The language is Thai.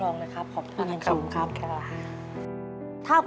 เงินเงิน